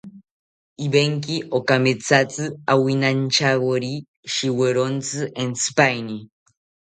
Ivenki okamethatzi awinantyawori shiwerontzi entzipaeni